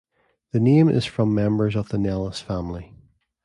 The name is from members of the Nellis family.